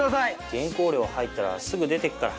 原稿料入ったらすぐ出て行くから。